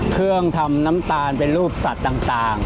เครื่องทำน้ำตาลเป็นรูปสัตว์ต่าง